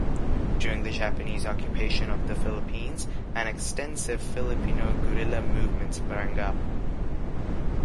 During the Japanese occupation of the Philippines an extensive Filipino guerrilla movement sprang up.